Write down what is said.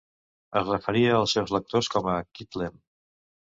Es referia als seus lectors com a "Kitlem".